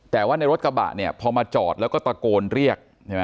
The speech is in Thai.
แต่ว่าในรถกระบะเนี่ยพอมาจอดแล้วก็ตะโกนเรียกใช่ไหม